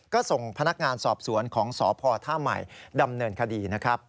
ก็ส่งพนักงานสอบสวนของสพท่าใหม่ดำเนินคดีนะครับ